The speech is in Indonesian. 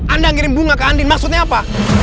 anda ngirim bunga ke andin maksudnya apa